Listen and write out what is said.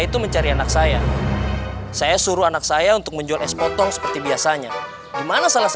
itu mencari anak saya saya suruh anak saya untuk menjual es potong seperti biasanya dimana salah